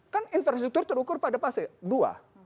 kan infrastruktur terukur pada fase dua